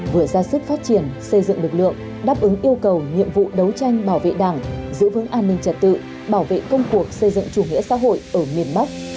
vừa ra sức phát triển xây dựng lực lượng đáp ứng yêu cầu nhiệm vụ đấu tranh bảo vệ đảng giữ vững an ninh trật tự bảo vệ công cuộc xây dựng chủ nghĩa xã hội ở miền bắc